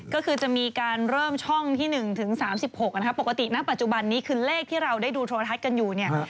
ก็คือจะมีการเริ่มช่องที่๑ถึง๓๖นะครับปกติณปัจจุบันนี้คือเลขที่เราได้ดูโทรทัศน์กันอยู่เนี่ย